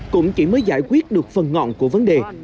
cũng chỉ mới giải quyết được phần ngọn của vấn đề